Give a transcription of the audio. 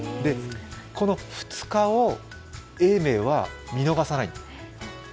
この２日を永明は見逃さない。